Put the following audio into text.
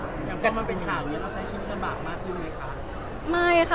ยังก็มันเป็นข่าวอย่างนี้เราใช้ชีวิตกันบากมากขึ้นไหมคะ